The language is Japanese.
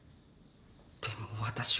でも私は。